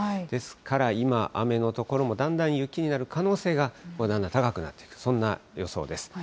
ですから今、雨の所もだんだん雪になる可能性がだんだん高くなってくる、そんな予想です。